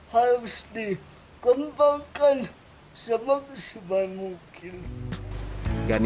tidak ada keberanian yang tidak diberikan